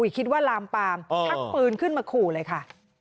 คิดว่าลามปามทักปืนขึ้นมาขู่เลยค่ะ